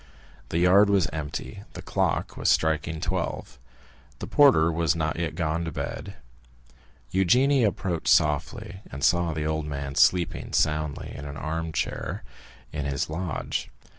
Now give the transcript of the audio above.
The yard was empty; the clock was striking twelve. The porter was not yet gone to bed. Eugénie approached softly, and saw the old man sleeping soundly in an armchair in his lodge.